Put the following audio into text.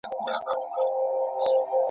پښتو ژبه زموږ د کلتور نماینده ده.